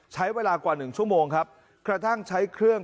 ใช้เวลากว่าหนึ่งชั่วโมงครับกระทั่งใช้เครื่อง